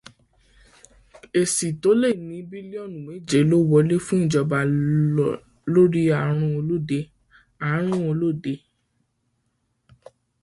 Èsì tó lé ní bílíọ̀nù méje ló wọlé fún ìjọba lóri ààrùn olóde.